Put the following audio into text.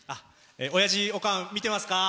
おやじ、おかん見てますか？